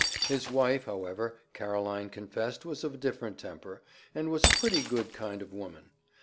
His wife, however, Caroline confessed was of a different temper, and was a pretty good kind of a woman.